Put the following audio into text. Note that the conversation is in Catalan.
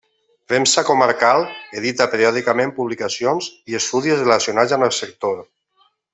Premsa Comarcal edita periòdicament publicacions i estudis relacionats amb el sector.